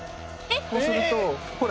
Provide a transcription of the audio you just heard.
こうするとほら。